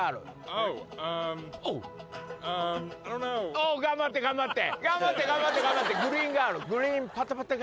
おぉ頑張って頑張って。